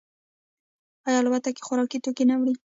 آیا الوتکې خوراکي توکي نه وړي؟